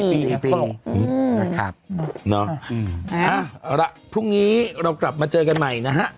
นอะครับเค้าบอกครับเนาะเอาละภรุงนี้เรากลับมาเจอกันใหม่นะฮะ